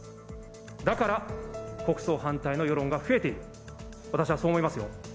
だから、国葬反対の世論が増えている、私はそう思いますよ。